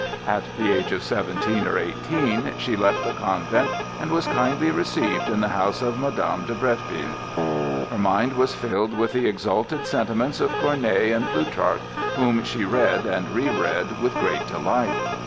At the age of seventeen or eighteen she left the convent and was kindly received in the house of Madame de Bretteville. Her mind was filled with the exalted sentiments of Corneille and Plutarch, whom she read and reread with great delight.